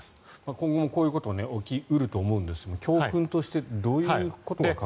今後こういうことが起き得ると思うんですが教訓としてどういうことが考えられますか。